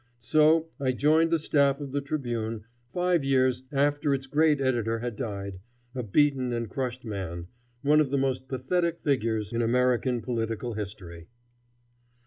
So I joined the staff of the Tribune five years after its great editor had died, a beaten and crushed man, one of the most pathetic figures in American political history.